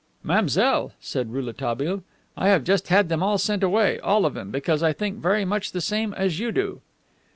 "Mademoiselle," said Rouletabille, "I have just had them all sent away, all of them because I think very much the same as you do."